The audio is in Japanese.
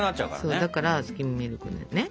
そうだからスキムミルクのね